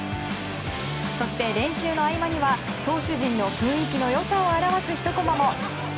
そして、練習の合間には投手陣の雰囲気の良さを表すひとコマも。